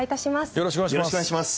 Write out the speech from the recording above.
よろしくお願いします。